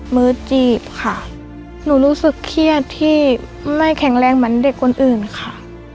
มือจีบค่ะหนูรู้สึกเครียดที่ไม่แข็งแรงเหมือนเด็กคนอื่นค่ะ